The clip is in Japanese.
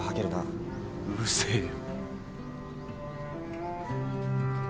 うるせえよ。